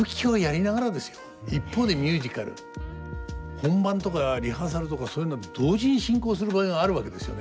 本番とかリハーサルとかそういうのは同時に進行する場合があるわけですよね。